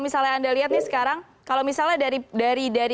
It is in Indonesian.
misalnya anda lihat nih sekarang kalau misalnya dari